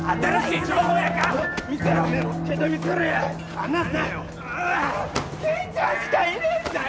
金ちゃんしかいねぇんだよ。